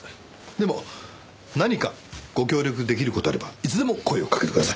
でも何かご協力出来る事があればいつでも声をかけてください。